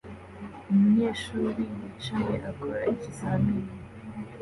Umunyeshuri yicaye akora ikizamini